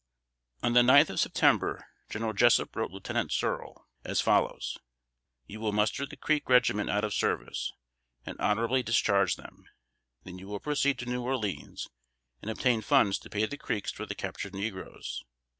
On the ninth of September, General Jessup wrote Lieutenant Searle, as follows: "You will muster the Creek regiment out of service, and honorably discharge them. Then you will proceed to New Orleans, and obtain funds to pay the Creeks for the captured negroes.